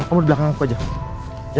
kamu di belakang aku aja